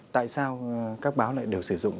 tại sao các báo lại đều sử dụng